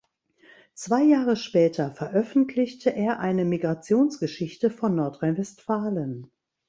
Zwei Jahre später veröffentlichte er eine Migrationsgeschichte von Nordrhein-Westfalen.